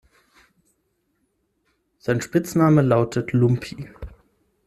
Sein Spitzname lautet „Lumpi“.